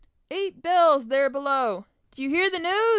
Eight bells, there below! Do you hear the news?"